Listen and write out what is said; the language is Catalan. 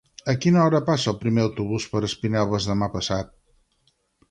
A quina hora passa el primer autobús per Espinelves demà passat?